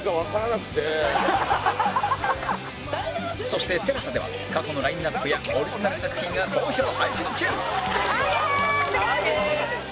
そして ＴＥＬＡＳＡ では過去のラインアップやオリジナル作品が好評配信中アゲって感じ。